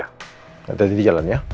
hati hati di jalan ya